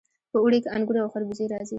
په اوړي کې انګور او خربوزې راځي.